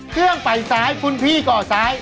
เครื่องไปซ้ายคุณพี่ก่อซ้าย